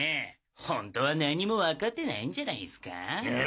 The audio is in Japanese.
ほんとは何も分かってないんじゃないすか？